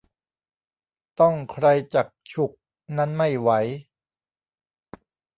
ต้องใครจักฉุกนั้นไม่ไหว